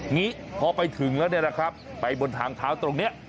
งี้พอไปถึงแล้วเนี่ยนะครับไปบนทางเท้าตรงนี้